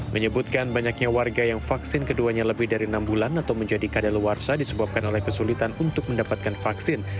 menyebutkan banyaknya warga yang vaksin keduanya lebih dari enam bulan atau menjadi kadaluarsa disebabkan oleh kesulitan untuk mendapatkan vaksin